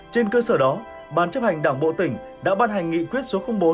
trên cơ sở đó ban chấp hành đảng bộ tỉnh đã ban hành nghị quyết số bốn